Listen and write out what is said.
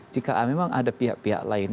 jika memang ada pihak pihak lain